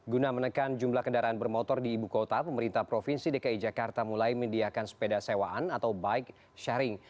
guna menekan jumlah kendaraan bermotor di ibu kota pemerintah provinsi dki jakarta mulai mendiakan sepeda sewaan atau bike sharing